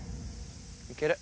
いける。